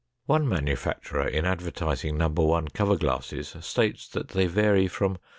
One manufacturer in advertising No. 1 cover glasses states that they vary from 0.